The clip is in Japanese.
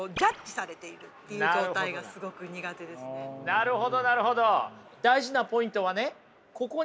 なるほどなるほど。